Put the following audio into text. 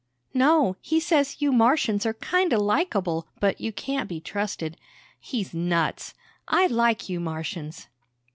"No. He says, you Martians are kinda likeable, but you can't be trusted. He's nuts! I like you Martians!"